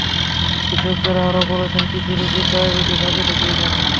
বিশেষজ্ঞরা আরও বলছেন, কিছু রোগীর ডায়াবেটিস আগে থেকেই জানা।